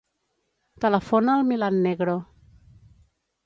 Telefona al Milan Negro.